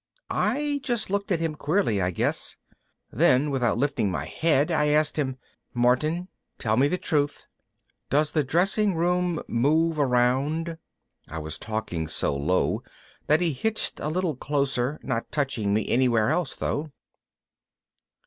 I just looked at him, queerly I guess. Then without lifting my head I asked him, "Martin, tell me the truth. Does the dressing room move around?" I was talking so low that he hitched a little closer, not touching me anywhere else though.